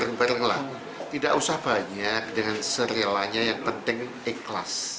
dan berbelah tidak usah banyak dengan serilahnya yang penting ikhlas